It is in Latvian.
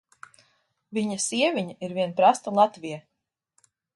Vi?a sievi?a ir vien parasta latvie